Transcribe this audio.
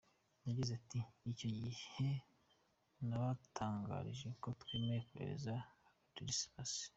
Yagize ati "Icyo gihe nabatangarije ko twemeye kohereza Ladislas.